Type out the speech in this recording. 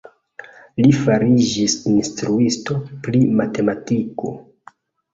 Li fariĝis instruisto pri matematiko.